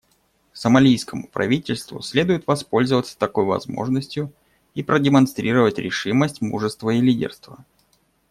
Сомалийскому правительству следует воспользоваться такой возможностью и продемонстрировать решимость, мужество и лидерство.